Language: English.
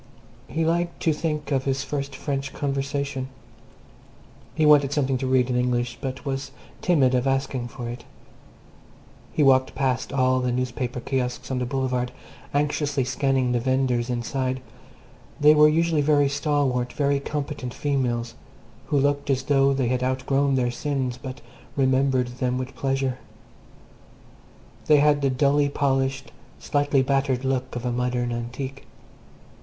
He liked to think of his first French conversation. He wanted something to read in English, but was timid of asking for it. He walked past all the newspaper kiosks on the Boulevard, anxiously scanning the vendors inside they were usually very stalwart, very competent females, who looked as though they had outgrown their sins but remembered them with pleasure. They had the dully polished, slightly battered look of a modern antique.